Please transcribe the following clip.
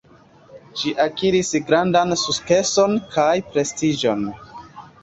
Ĝi akiris grandan sukceson kaj prestiĝon.